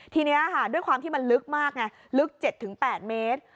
ทีนี้ค่ะด้วยความที่มันลึกมากไงลึก๗๘เมตร